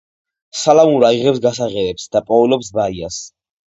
სალამურა იღებს გასაღებებს და პოულობს ბაიას.